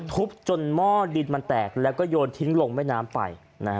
ทุบจนหม้อดินมันแตกแล้วก็โยนทิ้งลงแม่น้ำไป